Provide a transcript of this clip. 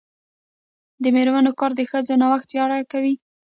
د میرمنو کار د ښځو نوښت پیاوړتیا کوي.